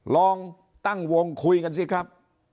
ลองตั้งวงคุยกันสิครับ